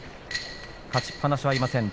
勝ちっぱなしはいません。